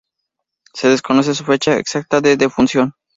Se desconoce su fecha exacta de defunción.